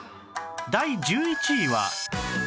第１１位は